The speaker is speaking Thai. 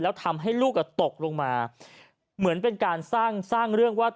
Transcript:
แล้วทำให้ลูกอ่ะตกลงมาเหมือนเป็นการสร้างสร้างเรื่องว่า